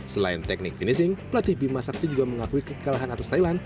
selain teknik finishing pelatih bima sakti juga mengakui kekalahan atas thailand